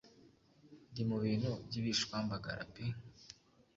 ndi mu bintu by’ibishwambagara pe